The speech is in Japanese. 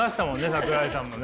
桜井さんもね。